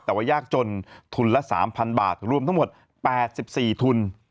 แต่ว่ายากจนทุนละ๓๐๐บาทรวมทั้งหมด๘๔ทุน